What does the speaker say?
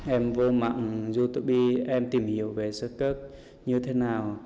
em vô mạng youtube em tìm hiểu về sức cất như thế nào